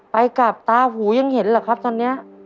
ไปกลับตาหูยังเห็นเหรอครับตอนนี้